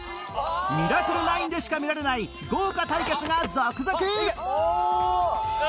『ミラクル９』でしか見られない豪華対決が続々！